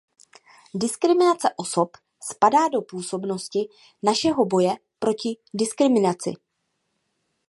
Diskriminace osob spadá do působnosti našeho boje proti diskriminaci.